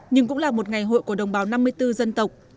nhưng cũng là một ngày hội của đồng bào năm mươi bốn dân tộc